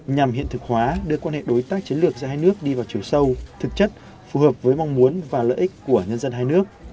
nhằm hiện thực hóa đưa quan hệ đối tác chiến lược giữa hai nước đi vào chiều sâu thực chất phù hợp với mong muốn và lợi ích của nhân dân hai nước